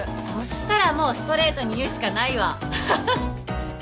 そしたらもうストレートに言うしかないわアッハッハッ